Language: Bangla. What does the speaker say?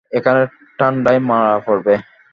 এখানে ঠান্ডায় মারা পড়বে।